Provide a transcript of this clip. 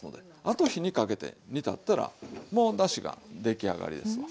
あと火にかけて煮立ったらもうだしが出来上がりですわ。